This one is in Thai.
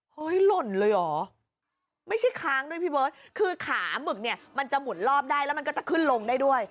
หล่นเลยเหรอไม่ใช่ค้างด้วยพี่เบิร์ตคือขาหมึกเนี่ยมันจะหมุนรอบได้แล้วมันก็จะขึ้นลงได้ด้วย